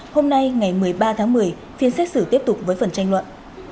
hôm nay ngày một mươi ba tháng một mươi phiên xét xử tiếp tục với phần tranh luận